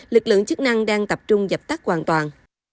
lực lượng chức năng đang tập trung dập tắt hoàn toàn